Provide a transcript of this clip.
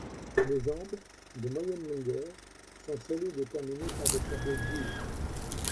Les jambes, de moyenne longueur, sont solides et terminées par des sabots durs.